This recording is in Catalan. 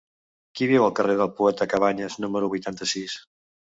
Qui viu al carrer del Poeta Cabanyes número vuitanta-sis?